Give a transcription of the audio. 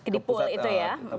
di pool itu ya